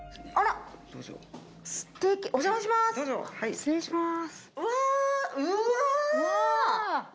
失礼します。